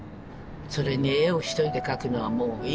それに絵を一人で描くのはもういい。